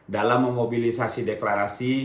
dalam memobilisasi deklarasi